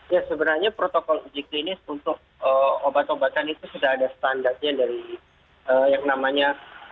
ya sebenarnya protokol uji klinis untuk obat obatan itu sudah ada standarnya dari yang namanya